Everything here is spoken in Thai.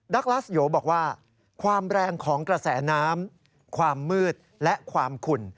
ลาสโยบอกว่าความแรงของกระแสน้ำความมืดและความขุ่น